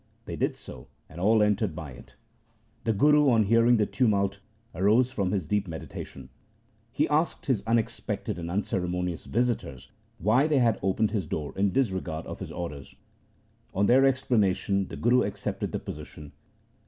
They did so, and all entered by it. The Guru, on hearing the tumult, arose from his deep meditation. He asked his unexpected and SIKH. II F 66 THE SIKH RELIGION unceremonious visitors why they had opened his door in disregard of his orders. On their explanation the Guru accepted the position.